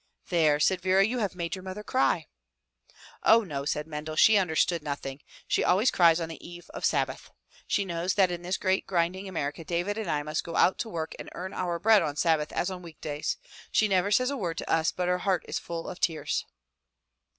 "There," said Vera, "you have made your mother cry." "Oh, no," said Mendel, "she understood nothing. She always cries on the eve of Sabbath. She knows that in this great grinding America David and I must go out to work and earn our bread on Sabbath as on week days. She never says a word to us but her heart is full of tears."